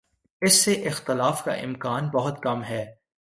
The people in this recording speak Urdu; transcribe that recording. اس سے اختلاف کا امکان بہت کم ہے۔